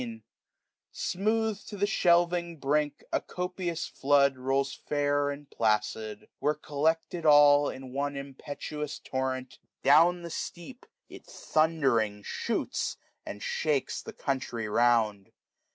79 S U M M E R« Smooth to the shelving brink a (iopiouk^ flood 590 Rolls fair, and placid ; where collected all^ In one impetuous toh ent, down the steep It thundering shoots, and shsd^es the country round.